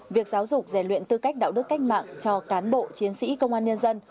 việc giáo dục rèn luyện tư cách đạo đức cách mạng cho cán bộ chiến sĩ công an nhân dân